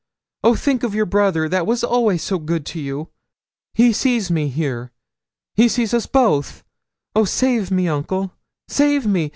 Oh, think of your brother that was always so good to you! He sees me here. He sees us both. Oh, save me, uncle save me!